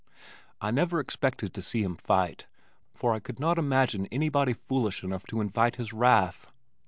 I never expected to see him fight, for I could not imagine anybody foolish enough to invite his wrath.